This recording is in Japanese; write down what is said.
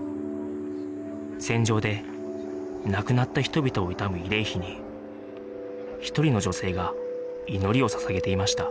戦場で亡くなった人々を悼む慰霊碑に一人の女性が祈りを捧げていました